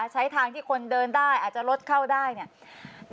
ใช้ทางที่คนเดินได้อาจจะรถเข้าได้เนี่ย